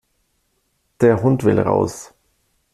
Der Hund will raus.